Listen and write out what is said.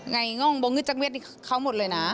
ไงง่องบงึดจังเวียดเขาหมดเลยนะ